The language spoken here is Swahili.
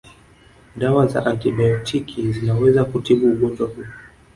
Dawa za antibiotiki zinaweza kutibu ugonjwa huu